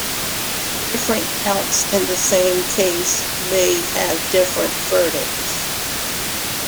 Different counts in the same case may have different verdicts.